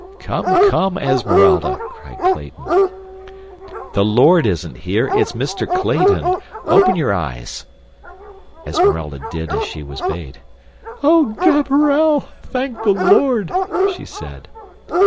"Come, come, Esmeralda," cried Clayton. "The Lord isn't here; it's Mr. Clayton. Open your eyes." Esmeralda did as she was bade. "O Gaberelle! Thank the Lord," she said.